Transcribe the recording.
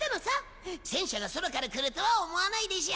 戦車が空から来るとは思わないでしょ？